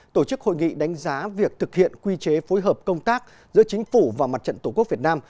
tổ chức hội nghị đánh giá việc thực hiện quy chế phối hợp công tác giữa chính phủ và mặt trận tổ quốc việt nam